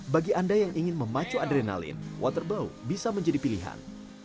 bagi anda yang ingin memacu adrenalin waterbow bisa menjadi pilihan